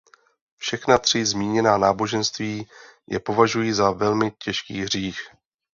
Všechna tři zmíněná náboženství je považují za velmi těžký hřích.